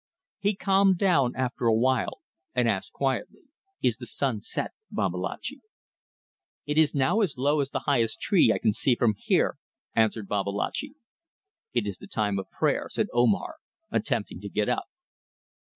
He calmed down after a while, and asked quietly "Is the sun set, Babalatchi?" "It is now as low as the highest tree I can see from here," answered Babalatchi. "It is the time of prayer," said Omar, attempting to get up.